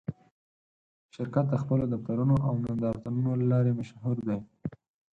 شرکت د خپلو دفترونو او نندارتونونو له لارې مشهور دی.